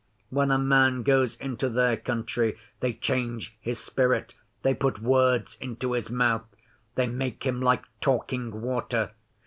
When a man goes into their country, they change his spirit; they put words into his mouth; they make him like talking water.